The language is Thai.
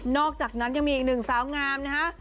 อกจากนั้นยังมีอีกหนึ่งสาวงามนะฮะ